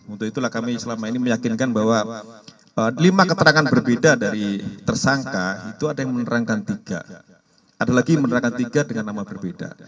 untuk itulah kami selama ini meyakinkan bahwa lima keterangan berbeda dari tersangka itu ada yang menerangkan tiga ada lagi yang menerangkan tiga dengan nama berbeda